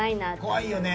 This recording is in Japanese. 怖いよね